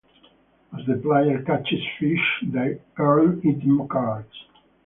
As the player catches fish, they earn item cards.